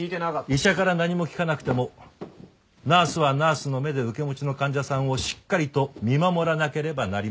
医者から何も聞かなくてもナースはナースの目で受け持ちの患者さんをしっかりと見守らなければなりません。